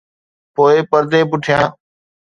پوءِ پردي پٺيان.